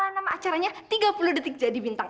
nama acaranya tiga puluh detik jadi bintang